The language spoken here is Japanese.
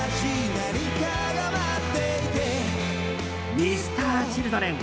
Ｍｒ．Ｃｈｉｌｄｒｅｎ